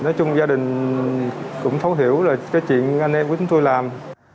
nói chung gia đình cũng thấu hiểu là cái chuyện anh em của chúng tôi làm